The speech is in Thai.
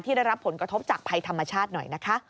ได้รับผลกระทบจากภัยธรรมชาติหน่อยนะคะ